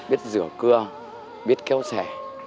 biết rửa cưa biết kéo xẻ